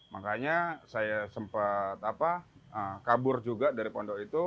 makanya saya sempat kabur juga dari pondok itu